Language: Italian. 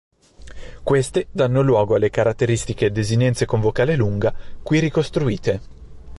Queste danno luogo alle caratteristiche desinenze con vocale lunga qui ricostruite.